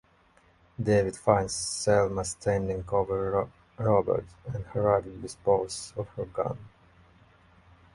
David finds Selma standing over Robert and hurriedly disposes of her gun.